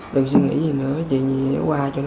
đừng suy nghĩ gì nữa chỉ nghĩ qua cho nó qua